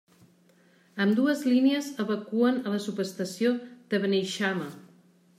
Ambdues línies evacuen a la subestació de Beneixama.